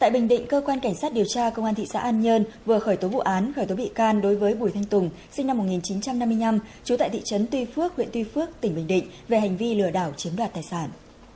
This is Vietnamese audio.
tại bình định cơ quan cảnh sát điều tra công an thị xã an nhơn vừa khởi tố vụ án khởi tố bị can đối với bùi thanh tùng sinh năm một nghìn chín trăm năm mươi năm trú tại thị trấn tuy phước huyện tuy phước tỉnh bình định về hành vi lừa đảo chiếm đoạt tài sản